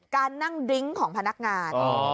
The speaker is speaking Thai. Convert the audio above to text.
การนั่งดริ้งของพนักงาน